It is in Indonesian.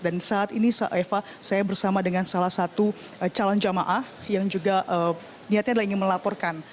dan saat ini eva saya bersama dengan salah satu calon jamaah yang juga niatnya adalah ingin melaporkan